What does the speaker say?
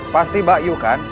pasti bakyu kan